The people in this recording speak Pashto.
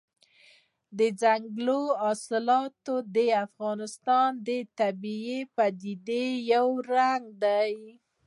دځنګل حاصلات د افغانستان د طبیعي پدیدو یو رنګ دی.